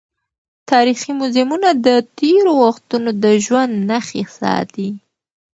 تاریخي موزیمونه د تېرو وختونو د ژوند نښې ساتي.